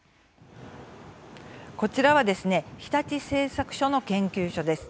こちらは日立製作所の研究所です。